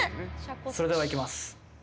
それではいきます。